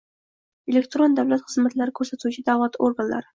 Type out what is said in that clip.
Elektron davlat xizmatlari ko‘rsatuvchi davlat organlari